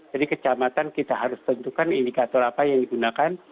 jadi kecamatan kita harus tentukan indikator apa yang digunakan